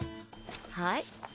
はい。